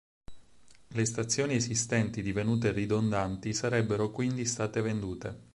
Le stazioni esistenti divenute ridondanti sarebbero quindi state vendute.